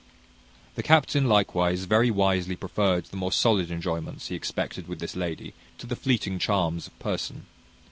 The captain likewise very wisely preferred the more solid enjoyments he expected with this lady, to the fleeting charms of person.